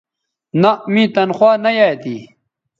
نہء می تنخوا نہ یایئ تھی